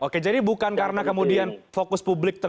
oke jadi bukan karena kemudian fokus publik